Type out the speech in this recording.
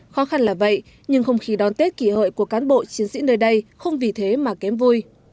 khó khăn là vậy nhưng không khí đón tết kỷ hợi của cán bộ chiến sĩ nơi đây không vì thế mà kém vui